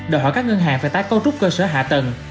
đòi hỏi các ngân hàng phải tái cấu trúc cơ sở hạ tầng